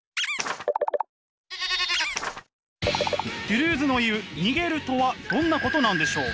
ドゥルーズの言う「逃げる」とはどんなことなんでしょう？